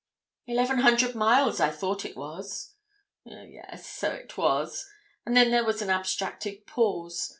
'Eleven hundred miles I thought it was.' 'Oh yes, so it was;' and then there was an abstracted pause.